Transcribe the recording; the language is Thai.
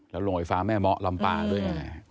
แล้วโรงไฟฟ้าแม่เมาะลำปางด้วยไง